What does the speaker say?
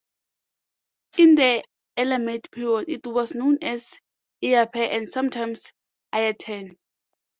In the Elamite period it was known as Ayapir and sometimes Ayatem.